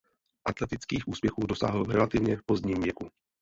Atletických úspěchů dosáhl v relativně pozdním věku.